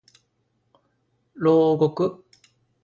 牢獄